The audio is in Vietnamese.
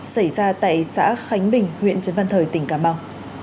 xảy ra tại xã khánh bình huyện trấn văn thời tỉnh cà mau